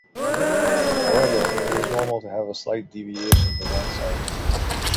However, it is normal to have a slight deviation to one side.